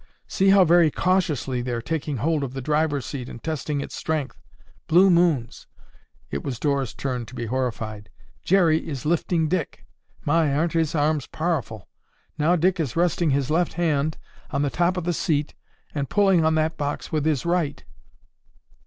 See how very cautiously they're taking hold of the driver's seat and testing its strength. Blue Moons!" It was Dora's turn to be horrified. "Jerry is lifting Dick. My, aren't his arms powerful? Now Dick is resting his left hand on the top of the seat and pulling on that box with his right."